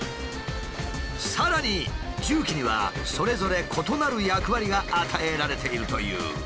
さらに重機にはそれぞれ異なる役割が与えられているという。